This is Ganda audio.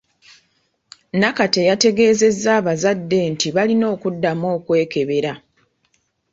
Nakate yategeezezza abazadde nti balina okuddamu okwekebera.